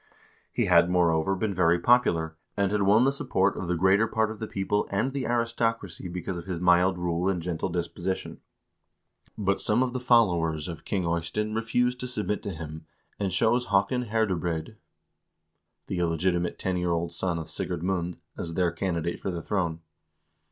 He had, moreover, been very popular, and had won the support of the greater part of the people and the aristocracy because of his mild rule and gentle disposition. But some of the followers of King Eystein refused to submit to him, and chose Haakon Herde breid, the illegitimate ten year old son of Sigurd Mund, as their candidate for the throne.